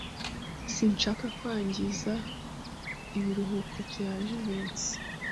Sinshaka kwangiza ibiruhuko bya Jivency.